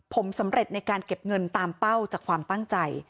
ผมสำเร็จในการเก็บเงินตามเป้าจากความตั้งใจ